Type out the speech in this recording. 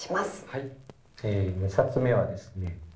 はい２冊目はですね